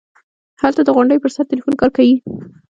هلته د غونډۍ پر سر ټېلفون کار کيي.